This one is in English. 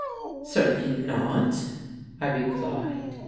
"Certainly not," I replied.